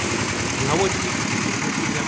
Penghawa dingin itu berfungsi dengan baik.